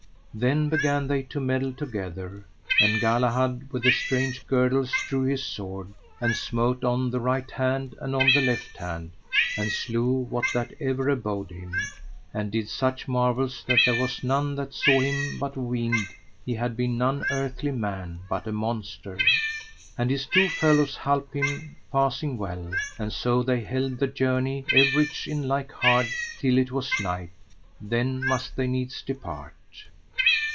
Then began they to meddle together, and Galahad, with the strange girdles, drew his sword, and smote on the right hand and on the left hand, and slew what that ever abode him, and did such marvels that there was none that saw him but weened he had been none earthly man, but a monster. And his two fellows halp him passing well, and so they held the journey everych in like hard till it was night: then must they needs depart.